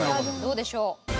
どうでしょう？